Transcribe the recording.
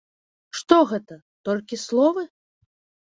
Што гэта, толькі словы?